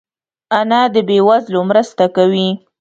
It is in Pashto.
انا د بې وزلو مرسته کوي